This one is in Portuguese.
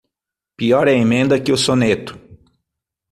Pior a emenda que o soneto.